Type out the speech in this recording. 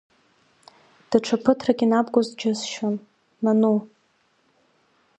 Даҽа ԥыҭрак инабгоз џьысшьон, нану…